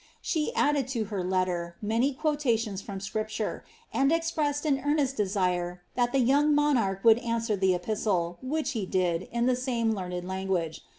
She added to her letter many quotations from Scripture, and expressed an earnest desire that the young monarch would answer the epistle, which he did, in the same learned language.